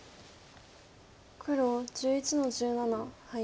黒１１の十七ハイ。